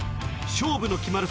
勝負の決まる